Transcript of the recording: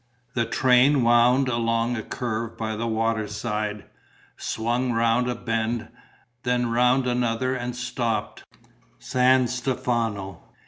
The train wound along a curve by the water side, swung round a bend, then round another and stopped: San Stefano.